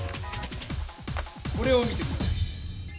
これを見て下さい。